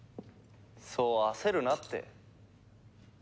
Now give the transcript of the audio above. そう焦るなって。